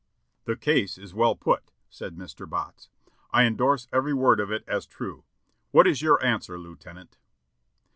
"The case is well put," said Mr. Botts; "I endorse every word of it as true. What is your answer. Lieutenant?"